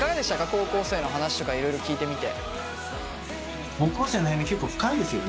高校生の話とかいろいろ聞いてみて。